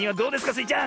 スイちゃん。